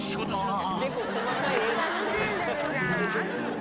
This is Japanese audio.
あ